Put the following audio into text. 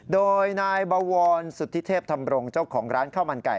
โดยนายบวรสุธิเทพธรรมรงค์เจ้าของร้านข้าวมันไก่